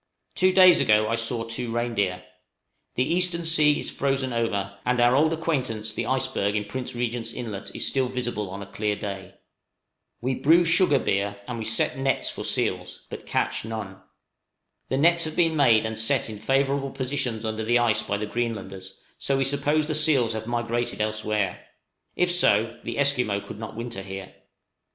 Two days ago I saw two reindeer. The eastern sea is frozen over, and our old acquaintance the iceberg in Prince Regent's Inlet is still visible on a clear day. We brew sugar beer, and we set nets for seals, but catch none. The nets have been made and set in favorable positions under the ice by the Greenlanders, so we suppose the seals also have migrated elsewhere; if so, the Esquimaux could not winter here.